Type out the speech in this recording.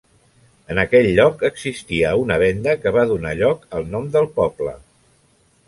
En aquell lloc existia una venda que va donar lloc al nom del poble.